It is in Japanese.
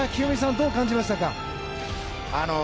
どう感じましたか？